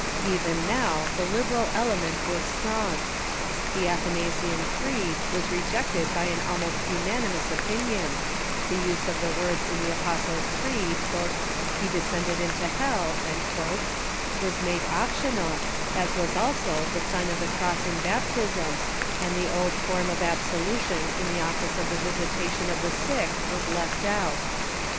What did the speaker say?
Even now the liberal element was strong. The Athanasian Creed was rejected by an almost unanimous opinion, the use of the words in the Apostles' Creed, " he de scended into hell," was made optional, as was also the sign of the cross in baptism, and the old form of absolution in the oflice of the Visitation of the Sick was left out.